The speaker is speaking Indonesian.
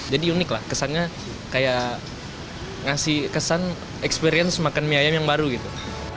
jadi unik lah kesannya kayak ngasih kesan experience makan mie ayam yang baru gitu